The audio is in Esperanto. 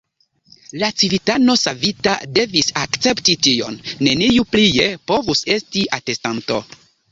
La civitano savita devis akcepti tion; neniu plie povus esti atestanto.